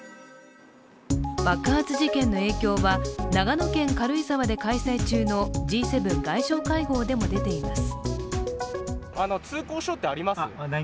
爆発事件の影響は長野県軽井沢で開催中のＧ７外相会合でも出ています。